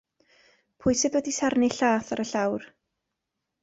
Pwy sydd wedi sarnu lla'th ar y llawr?